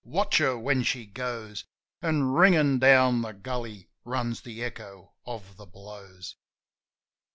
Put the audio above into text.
Watch her when she goes! An' ringin' down the gully runs the echo of the blows.